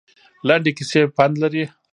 لنډې کیسې پند لري